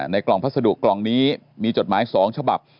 กล่องพัสดุกล่องนี้มีจดหมาย๒ฉบับ